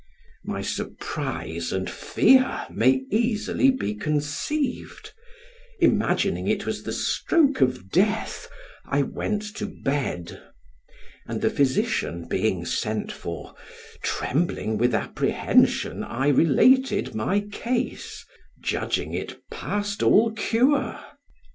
My surprise and fear may easily be conceived; imagining it was the stroke of death, I went to bed, and the physician being sent for, trembling with apprehension, I related my case; judging it past all cure.